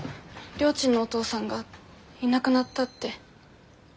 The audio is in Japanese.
りょーちんのお父さんがいなくなったって。